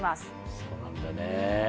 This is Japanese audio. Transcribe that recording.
そうなんだね。